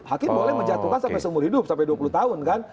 hakim boleh menjatuhkan sampai seumur hidup sampai dua puluh tahun kan